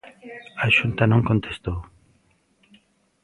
A Xunta non contestou.